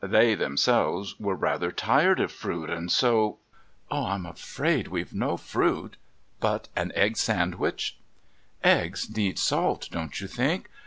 They themselves were rather tired of fruit, and so "I'm afraid we've no fruit, but an egg sandwich " "Eggs need salt, don't you think?